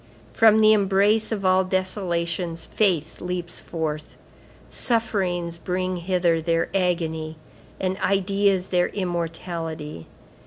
From the embrace of all desolations faith leaps forth. Sufferings bring hither their agony and ideas their immortality.